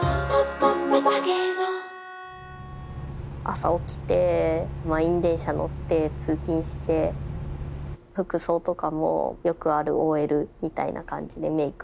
朝起きて満員電車乗って通勤して服装とかもよくあるＯＬみたいな感じでメークも一応して。